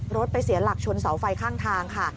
รถไปเสียหลักชนเสาไฟข้างทางค่ะ